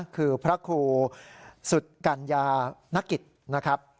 คือพระครูสุกัญญานกิจนะครับ